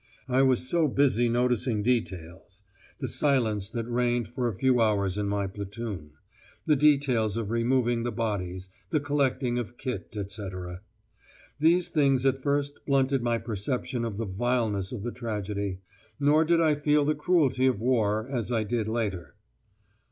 I was so busy noticing details: the silence that reigned for a few hours in my platoon; the details of removing the bodies, the collecting of kit, etc. These things at first blunted my perception of the vileness of the tragedy; nor did I feel the cruelty of war as I did later.